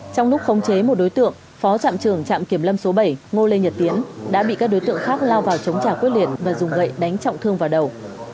trong lúc khống chế một đối tượng phó trạm trưởng trạm kiểm lâm số bảy ngô lê nhật tiến đã bị các đối tượng khác lao vào chống trả quyết liệt và dùng gậy đánh trọng thương vào đầu